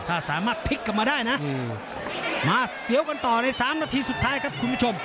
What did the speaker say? ถ้าสามารถพลิกกลับมาได้นะมาเสียวกันต่อใน๓นาทีสุดท้ายครับคุณผู้ชม